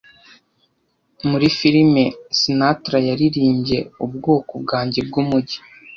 Muri firime Sinatra yaririmbye Ubwoko bwanjye bwumujyi